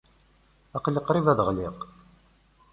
Aql-i qrib ad ɣliɣ.